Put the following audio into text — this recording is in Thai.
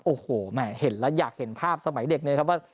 โอ้โหแหม่เห็นแล้วอยากเห็นภาพสมัยเด็กเลยครับว่า